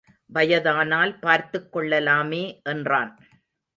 வயதானால் பார்த்துக் கொள்ளலாமே என்றான்.